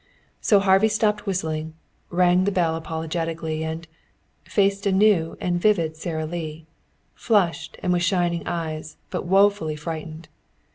So Harvey stopped whistling, rang the bell apologetically, and faced a new and vivid Sara Lee, flushed and with shining eyes, but woefully frightened.